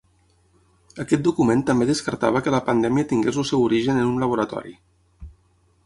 Aquest document també descartava que la pandèmia tingués el seu origen en un laboratori.